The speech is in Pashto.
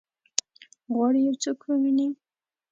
غواړي یو څوک وویني؟